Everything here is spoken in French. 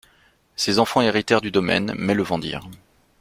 Ses enfants héritèrent du domaine mais le vendirent.